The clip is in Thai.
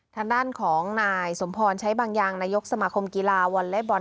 ทางด้านของนายสมพรใช้บางอย่างนายกสมาคมกีฬาวอลเล็ตบอล